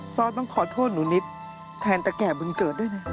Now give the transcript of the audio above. ซอสต้องขอโทษหนูนิดแทนตะแก่บุญเกิดด้วยนะ